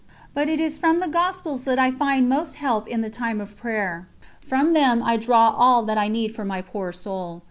But it is from the Gospels that I find most help in the time of prayer; from them I draw all that I need for my poor soul.